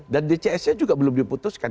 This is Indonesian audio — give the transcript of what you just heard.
dan dcs nya juga belum diputuskan